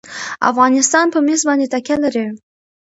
افغانستان په مس باندې تکیه لري.